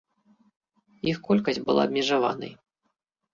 Іх колькасць была абмежаванай.